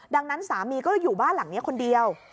ดังนั้นสามีก็อยู่บ้านหลังนี้คนเดียว